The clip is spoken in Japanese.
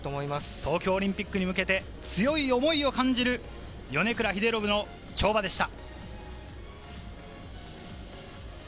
東京オリンピックに向けて強い思いを感じる米倉英信の跳馬でした。